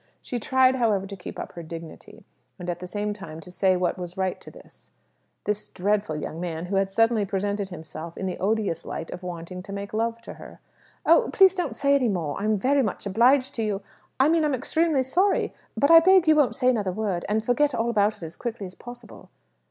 She tried, however, to keep up her dignity, and at the same time to say what was right to this this dreadful young man, who had suddenly presented himself in the odious light of wanting to make love to her. "Oh, please don't say any more. I'm very much obliged to you. I mean I'm extremely sorry. But I beg you won't say another word, and forget all about it as quickly as possible."